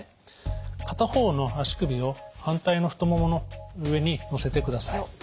片方の足首を反対の太ももの上にのせてください。